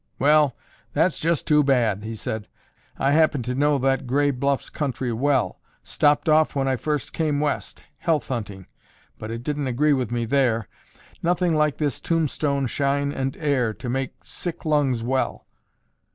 "Well, that's just too bad," he said. "I happen to know that Gray Bluffs country well. Stopped off when I first came West, health hunting, but it didn't agree with me there; nothing like this Tombstone shine and air to make sick lungs well."